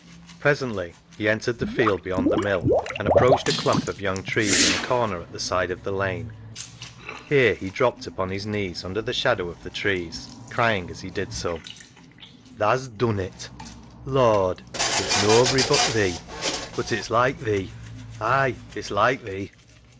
Presently he entered the field beyond the mill, and approached a clump of young trees in a corner at the side of the lane. Here he dropped upon his knees under the shadow of the trees, crying as he did so —" Tha's done it. Lord, it's noabry but Thee — but it's like Thee. Ay ! it's like Thee.